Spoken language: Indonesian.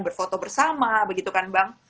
berfoto bersama begitu kan bang